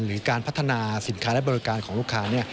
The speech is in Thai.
หรือการพัฒนาสินค้าและบริการของลูกค้า